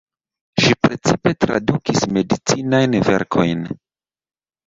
Ŝi precipe tradukis medicinajn verkojn.